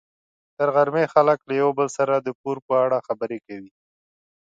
تر غرمې خلک له یو بل سره د پور په اړه خبرې کوي.